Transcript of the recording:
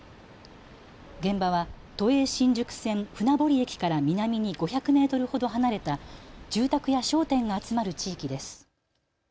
現場は都営新宿線船堀駅から南に５００メートルほど離れた住宅や商店が集まる地域です。